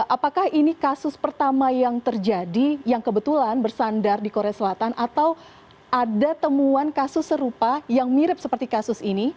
apakah ini kasus pertama yang terjadi yang kebetulan bersandar di korea selatan atau ada temuan kasus serupa yang mirip seperti kasus ini